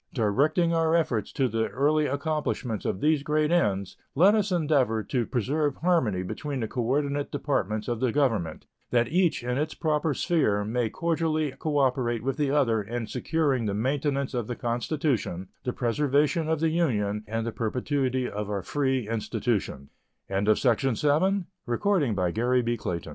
Directing our efforts to the early accomplishment of these great ends, let us endeavor to preserve harmony between the coordinate departments of the Government, that each in its proper sphere may cordially cooperate with the other in securing the maintenance of the Constitution, the preservation of the Union, and the perpetuity of our free institutions. State of the Union Address Andrew Johnson December 3